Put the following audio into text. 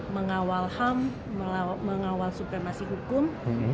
mengawal ham mengawal supremasi hukum